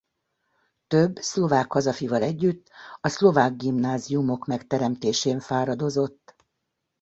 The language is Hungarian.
Több szlovák hazafival együtt a szlovák gimnáziumok megteremtésén fáradozott.